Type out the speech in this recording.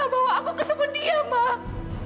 bawa aku ke sebut dia mak